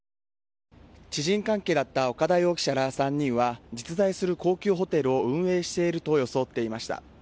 知人関係だった岡田容疑者ら３人は実在する高級ホテルを経営していると装っていました。